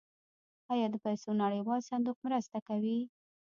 آیا د پیسو نړیوال صندوق مرسته کوي؟